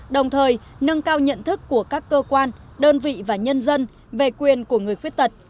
đồng thời nâng cao nhận thức của các cơ quan đơn vị và nhân dân về quyền của người khuyết tật